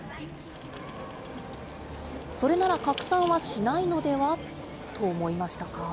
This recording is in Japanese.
それなら拡散はしないのではと思いましたか？